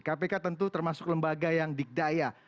kpk tentu termasuk lembaga yang dikdaya